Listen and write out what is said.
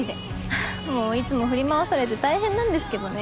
ははっもういつも振り回されて大変なんですけどね。